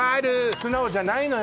素直じゃないのよ